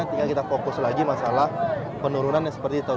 tinggal kita fokus lagi masalah penurunan yang seperti tahun dua ribu sembilan belas